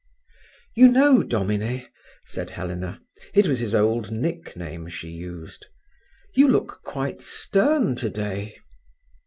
"You know, Domine," said Helena—it was his old nickname she used—"you look quite stern today."